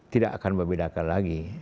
tidak akan berbeda lagi